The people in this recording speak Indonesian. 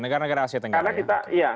negara negara asia tenggara